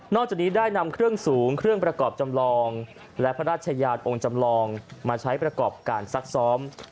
จากนี้ได้นำเครื่องสูงเครื่องประกอบจำลองและพระราชยานองค์จำลองมาใช้ประกอบการซักซ้อม